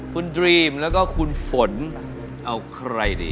คุณดรีมแล้วก็คุณฝนเอาใครดี